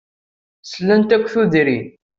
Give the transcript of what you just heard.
Slant akk tudrin.